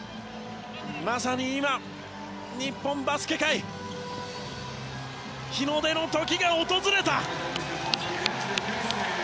まさに今、日本のバスケ界日の出の時が訪れた！